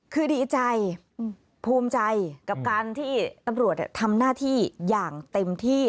คือดีใจภูมิใจกับการที่ตำรวจทำหน้าที่อย่างเต็มที่